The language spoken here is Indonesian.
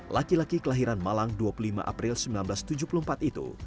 laki laki kelahiran malang dua puluh lima april seribu sembilan ratus tujuh puluh empat itu